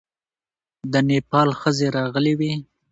د نېپال ښځې راغلې وې.